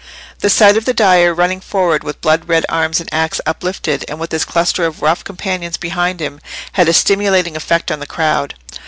The sight of the dyer, running forward with blood red arms and axe uplifted, and with his cluster of rough companions behind him, had a stimulating effect on the crowd.